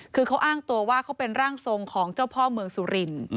คือเขาอ้างตัวว่าเขาเป็นร่างทรงของเจ้าพ่อเมืองสุรินทร์